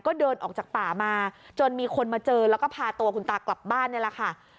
ก็เดินออกจากป่ามาจนมีคนมาเจอแล้วก็พาตัวคุณตากลับบ้านนี่แหละค่ะ